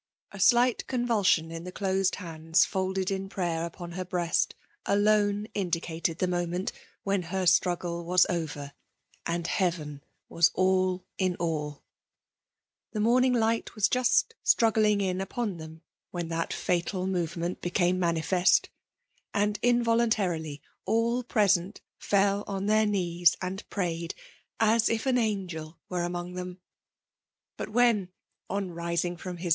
A slight convulsion in the closed hands folded in prayer upon her breast, alone indicated the moment when her struggle was over, and Heaven was all in all ! The morning light was just struggling in upon them when that fatal moteacteot became nttaifest ; and invohitttftrilyiall pfe9«it&U 4tti tbeiar knees and prayed* as if an angol wer« among them. But vihen, on rising from fab.'